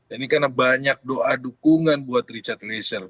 ini karena banyak doa dukungan buat richard eliezer